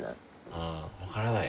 うん分からない。